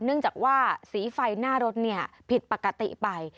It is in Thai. เนื่องจากว่าสีไฟหน้ารถผิดปกติไป